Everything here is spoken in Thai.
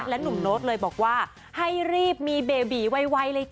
และหนูโน๊ตเลยบอกว่าให้รีบมีเบบิไว้เลยจอ